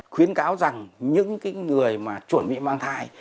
khuyến cáo rằng những người chuẩn bị mang thai